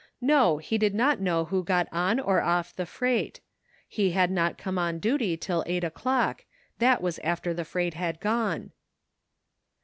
No, he did not know who got on or off the freight ; he had not come on duty till eight o'clock, that was after the freight had gone.